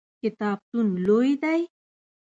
کتابتون لوی دی؟